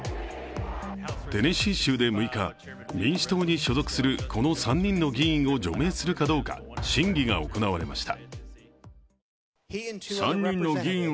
テネシー州で６日、民主党に所属するこの３人の議員を除名するかどうか、審議が行われました。